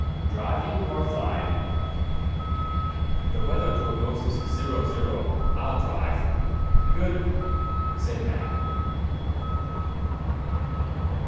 "Driving or flying?" "The weather prognosis is zero zero. I'll drive." "Good," said Mac.